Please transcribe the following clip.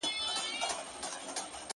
بل جهان بل به نظام وي چي پوهېږو٫